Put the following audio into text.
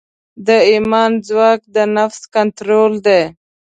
د ایمان ځواک د نفس کنټرول دی.